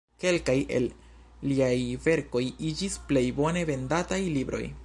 Kelkaj el liaj verkoj iĝis plej bone vendataj libroj.